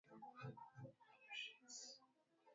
Ongeza maji robo kwenye chungu cha kupikia au sufuria